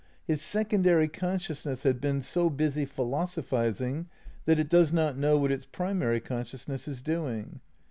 His secondary consciousness has been so busy philosophizing that it does not know what its primary consciousness is doing.